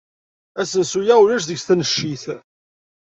Asensu-a ulac deg-s taneccit.